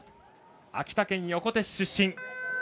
秋田県横手市出身。